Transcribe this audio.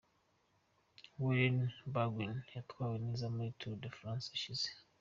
Warren Barguil witwaye neza muri Tour de France ishize.